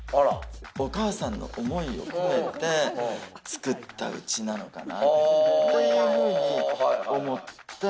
お母さんの思いを込めて造った家なのかなっていうふうに思って。